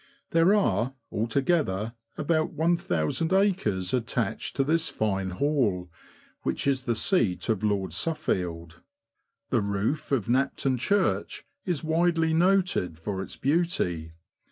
There are, alto gether, about 1000 acres attached to this fine Hall, which is the seat of Lord Suffield. The roof of Knapton Church is widely noted for its beauty.